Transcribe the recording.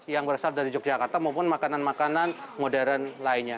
yang berasal dari yogyakarta maupun makanan makanan modern lainnya